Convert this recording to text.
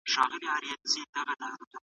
که انا ماشوم نه وای وهلی، هغه به نه وای ژړلي.